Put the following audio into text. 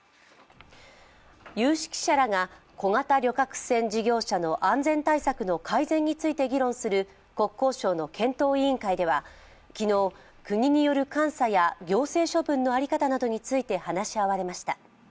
有識者らが小型旅客船事業者の安全対策の改善について議論する国交省の検討委員会では昨日、国による監査や行政処分の在り方などについて話し合われました。